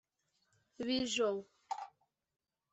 Bijo